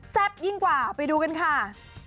ยิ่งกว่าไปดูกันค่ะ